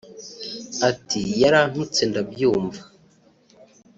Ati “Yarantutse ndabyumva